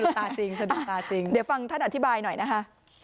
เลือกตาจริงเดี๋ยวฟังท่านอธิบายหน่อยนะฮะ